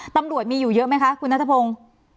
ตำรวจมีอยู่เยอะไหมคะคุณนัทพงศ์